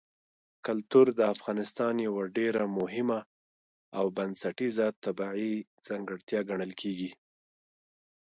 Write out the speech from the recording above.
کلتور د افغانستان یوه ډېره مهمه او بنسټیزه طبیعي ځانګړتیا ګڼل کېږي.